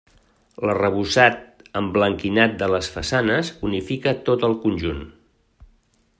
L’arrebossat emblanquinat de les façanes unifica tot el conjunt.